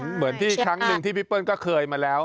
เหมือนที่ครั้งหนึ่งที่พี่เปิ้ลก็เคยมาแล้ว